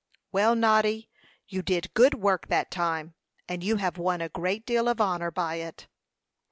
"Well, Noddy, you did good work that time, and you have won a great deal of honor by it."